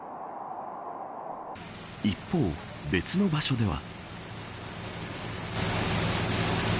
一方、別の場所では。